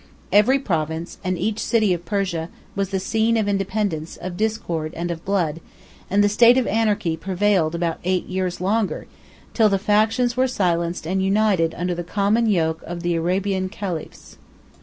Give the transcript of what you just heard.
Every province, and each city of Persia, was the scene of independence, of discord, and of blood; and the state of anarchy prevailed about eight years longer, 1071 till the factions were silenced and united under the common yoke of the Arabian caliphs.